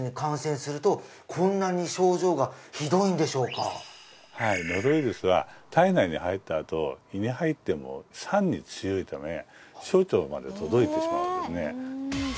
先生はいノロウイルスは体内に入ったあと胃に入っても酸に強いため小腸まで届いてしまうんですね